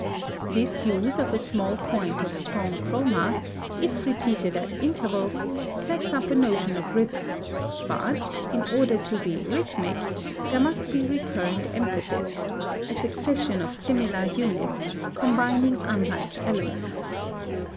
(166) This use of a small point of strong chroma, if repeated at intervals, sets up a notion of rhythm; but, in order to be rhythmic, there must be recurrent emphasis, "a succession of similar units, combining unlike elements."